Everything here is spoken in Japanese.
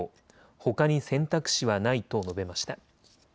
ほかに選択肢はないと述べました。